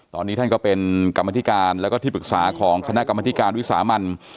ตอนนี้ท่านก็เป็นกรรมธิการแล้วก็ที่ปรึกษาของคณะกรรมธิการวิสามัน